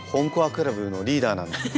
クラブのリーダーなんだから。